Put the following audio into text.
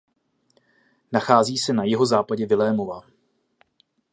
Nachází se na jihozápadě Vilémova.